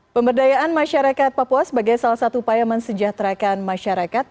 pemberdayaan masyarakat papua sebagai salah satu upaya mensejahterakan masyarakat